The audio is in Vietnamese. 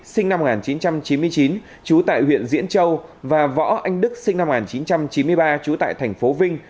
sinh năm một nghìn chín trăm chín mươi chín trú tại huyện diễn châu và võ anh đức sinh năm một nghìn chín trăm chín mươi ba trú tại thành phố vinh